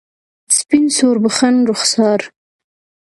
سپین سوربخن رخسار